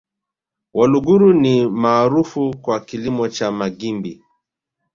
Waluguru ni maarufu kwa kilimo cha magimbi